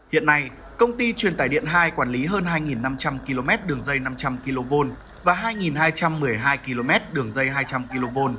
hiện nay công ty truyền tài điện hai quản lý hơn hai năm trăm linh km đường dây năm trăm linh kv và hai hai trăm một mươi hai km đường dây hai trăm linh kv